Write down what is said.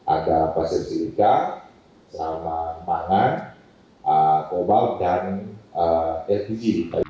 ada pasir silika mangan kobalt dan rgg